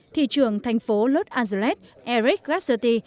thị trường thành phố los angeles eric grassetti